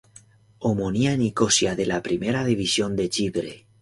Omonia Nicosia de la Primera División de Chipre.